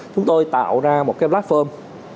chúng tôi tạo ra một cái platform